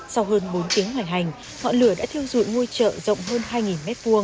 sau hơn bốn tiếng ngoài hành họ lửa đã thiêu dụi ngôi chợ rộng hơn hai m hai